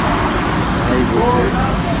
তাই বুঝি?